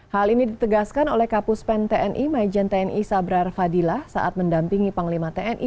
hal ini ditegaskan oleh kapus pen tni majen tni sabrar fadilah saat mendampingi panglima tni